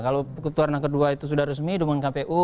kalau putaran kedua itu sudah resmi dengan kpu